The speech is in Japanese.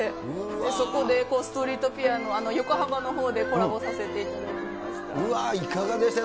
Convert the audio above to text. そこでストリートピアノ、横浜のほうでコラボさせていただきましうわー、いかがでした？